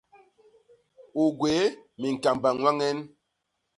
U gwéé miñkamba ñwañen?